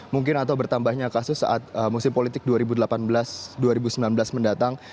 mungkin atau bertambahnya kasus saat musim politik dua ribu delapan belas dua ribu sembilan belas mendatang